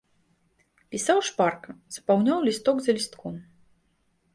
Пісаў шпарка, запаўняў лісток за лістком.